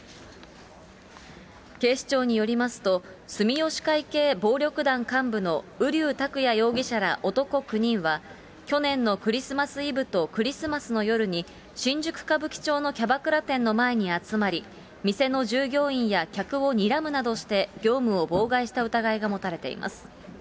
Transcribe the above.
警視庁によりますと、住吉会系暴力団幹部の瓜生拓也容疑者ら男９人は、去年のクリスマスイブとクリスマスの夜に、新宿・歌舞伎町のキャバクラ店の前に集まり、店の従業員や客をにらむなどして業務を妨害した疑いが持たれています。